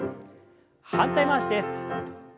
反対回しです。